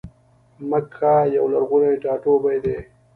مکه یو لرغونی ټا ټوبی دی.